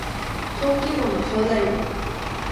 登記簿の表題部